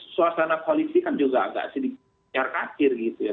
suasana koalisi kan juga agak sih dikirkan akhir gitu ya